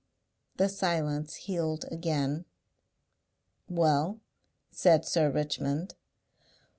The silence healed again. "Well?" said Sir Richmond.